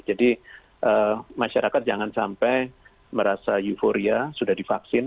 jadi masyarakat jangan sampai merasa euforia sudah divaksin